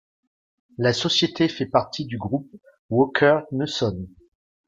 La société fait partie du groupe Wacker Neuson.